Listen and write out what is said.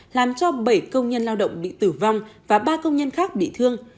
làm cho bảy công nhân lao động bị tử vong và ba công nhân khác bị thương